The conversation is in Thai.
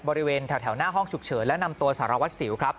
บริเวณแถวหน้าห้องฉุกเฉินและนำตัวสารวัตรสิวครับ